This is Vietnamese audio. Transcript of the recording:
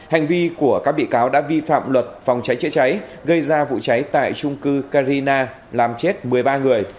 hành vi của các bị cáo đã vi phạm luật phòng cháy chữa cháy gây ra vụ cháy tại trung cư carina làm chết một mươi ba người